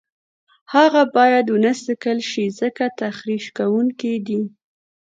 هغه باید ونه څکل شي ځکه تخریش کوونکي دي.